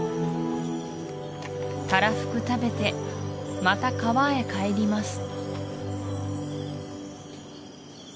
たらふく食べてまた川へ帰ります